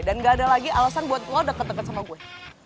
dan gak ada lagi alasan buat lo deket deket sama gue